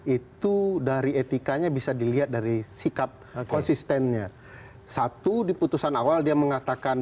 itu dari etikanya bisa dilihat dari sikap konsistennya satu di putusan awal dia mengatakan